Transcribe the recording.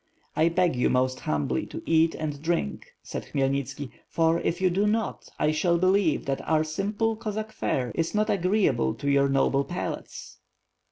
"I beg you most humbly to eat and drink," said Khmyel nitski, "for, if you do not, I shall believe that our simple Cossack fare is not agreeable to your noble palates.'